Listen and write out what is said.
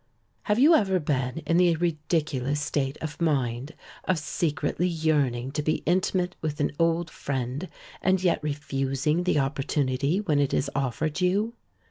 Have you ever been in the ridiculous state of mind of secretly yearning to be intimate with an old friend and yet refusing the opportunity when it is offered you?